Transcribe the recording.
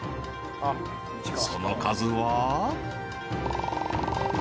［その数は］